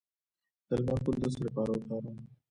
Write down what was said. د لمر ګل د څه لپاره وکاروم؟